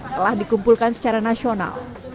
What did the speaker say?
telah dikumpulkan secara nasional